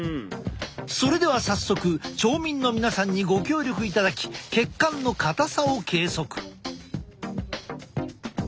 それでは早速町民の皆さんにご協力いただき血管の硬さを計測。